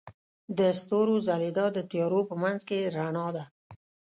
د ستورو ځلیدا د تیارو په منځ کې رڼا ده.